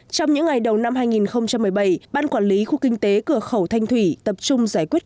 trong những ngày đầu năm hai nghìn một mươi bảy ban quản lý khu kinh tế cửa khẩu thanh thủy tập trung giải quyết